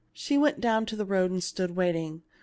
She went down to the road and stood waiting.